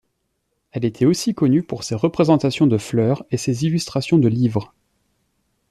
Elle était aussi connue pour ses représentations de fleurs et ses illustrations de livres.